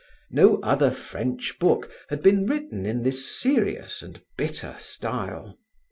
No other French book had been written in this serious and bitter style.